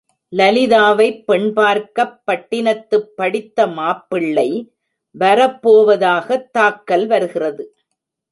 லலிதாவைப் பெண் பார்க்க ப் பட்டினத்துப்படித்த மாப்பிள்ளை வரப்போவதாகத் தாக்கல் வருகிறது.